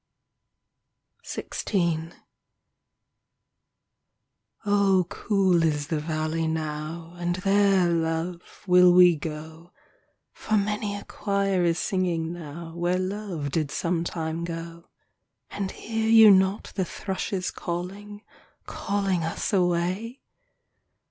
XVI O COOL is the valley now And there, love, will we go For many a choir is singing now Where Love did sometime go. And hear you not the thrushes calling. Calling us away